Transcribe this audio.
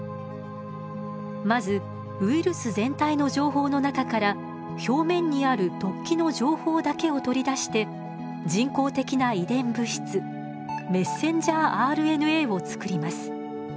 まずウイルス全体の情報の中から表面にある突起の情報だけを取り出して人工的な遺伝物質ｍＲＮＡをつくります。